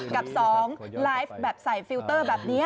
กับ๒ไลฟ์แบบใส่ฟิลเตอร์แบบนี้